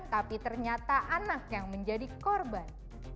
tapi ternyata anak yang menjadi korban